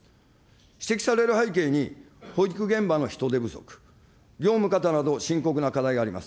指摘される背景に、保育現場の人手不足、業務方など深刻な問題があります。